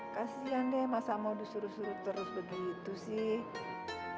kasian deh masa mau disuruh suruh terus begitu sih